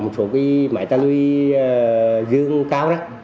một số cái máy tăng lưu dương cao